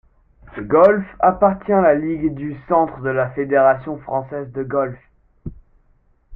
Le golf appartient à la ligue du Centre de la fédération française de golf.